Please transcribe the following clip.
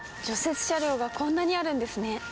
雪車両がこんなにあるんですね。